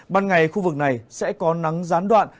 ban ngày khu vực này sẽ có nắng gián đoạn